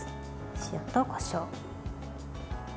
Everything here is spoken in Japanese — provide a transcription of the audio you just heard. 塩とこしょう。